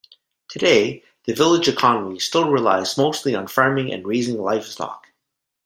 Today, the village economy still relies mostly on farming and raising livestock.